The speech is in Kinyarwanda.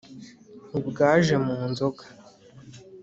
ntibwa j e mu nzoga